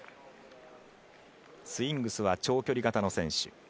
スウィングスは長距離型の選手。